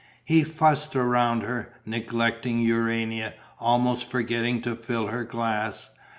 He fussed around her, neglecting Urania, almost forgetting to fill her glass.